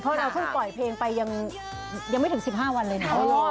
เพราะเราเพิ่งปล่อยเพลงไปยังไม่ถึง๑๕วันเลยนะ